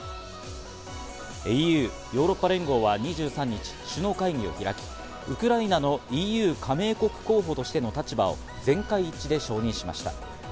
ＥＵ＝ヨーロッパ連合は２３日、首脳会議を開き、ウクライナのＥＵ加盟国候補としての立場を全会一致で承認しました。